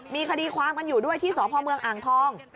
มีคดีความกันอยู่ด้วยที่สพเมืองอ่างทอง